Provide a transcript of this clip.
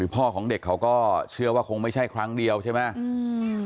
พ่อของเด็กเขาก็เชื่อว่าคงไม่ใช่ครั้งเดียวใช่ไหม